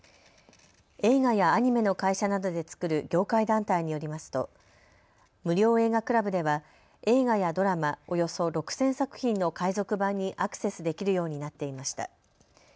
映画やアニメの会社などで作る業界団体によりますと無料映画倶楽部では映画やドラマおよそ６０００作品の海賊版にアクセスできるようになっていました。